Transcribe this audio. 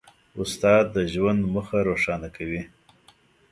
استاد د ژوند موخه روښانه کوي.